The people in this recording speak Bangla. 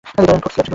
ঠোঁট স্লেট ধূসর।